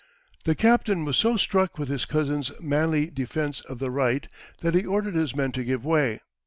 The captain was so struck with his cousin's manly defence of the right, that he ordered his men to give way.